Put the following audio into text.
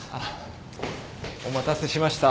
お待たせしました。